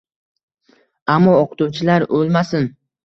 Ammo o‘qituvchilar o‘lmasin.